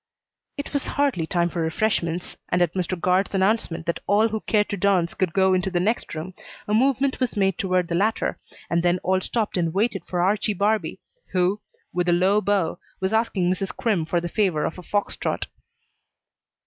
It was hardly time for refreshments, and at Mr. Guard's announcement that all who cared to dance could go into the next room, a movement was made toward the latter, and then all stopped and waited for Archie Barbee, who, with a low bow, was asking Mrs. Crimm for the favor of a fox trot.